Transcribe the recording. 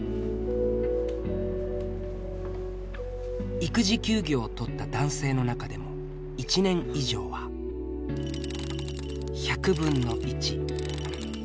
育児休業をとった男性の中でも１年以上は１００分の１。